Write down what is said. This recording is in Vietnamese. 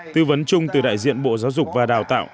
tư vấn chung từ đại diện bộ giáo dục và đào tạo